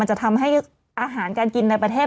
จะทำให้อาหารการกินในประเทศ